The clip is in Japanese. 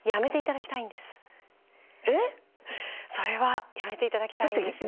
それはやめて頂きたいんですね。